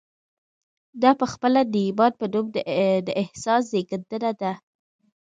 دا پخپله د ايمان په نوم د احساس زېږنده ده.